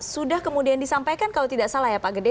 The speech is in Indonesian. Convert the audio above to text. sudah kemudian disampaikan kalau tidak salah ya pak gede